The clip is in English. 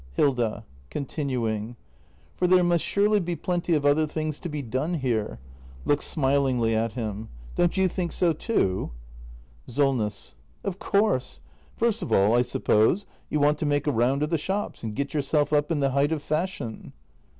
Hilda. [Continuing.] For there must surely be plenty of other things to be done here. [Looks smilingly at him.] Don't you think so, too ? Solness. Of course. First of all, I suppose, you want to make a round of the shops, and get yourself up in the height of fashion.